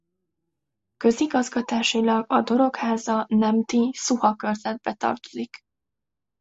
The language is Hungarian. Közigazgatásilag a Dorogháza-Nemti-Szuha körzetbe tartozik.